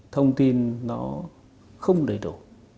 thông tin nó không đầy đủ